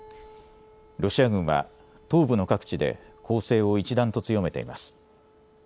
ロシア軍は東部の各地で攻勢を一段と強めています。